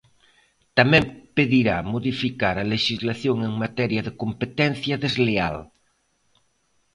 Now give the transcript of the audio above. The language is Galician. Tamén pedirá modificar a lexislación en materia de competencia desleal.